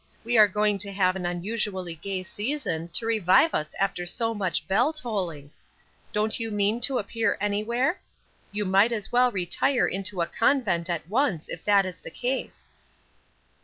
We are going to have an unusually gay season to revive us after so much bell tolling. Don't you mean to appear anywhere? You might as well retire into a convent at once, if that is the case."